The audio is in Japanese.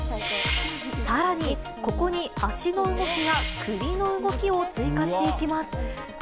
さらに、ここに足の動きや首の動きを追加していきます。